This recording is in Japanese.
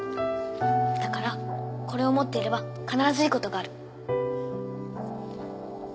だからこれを持っていれば必ずいい事がある。